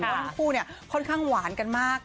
เพราะทั้งคู่เนี่ยค่อนข้างหวานกันมาก